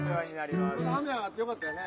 雨上がってよかったね。